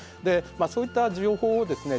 まあそういった情報をですね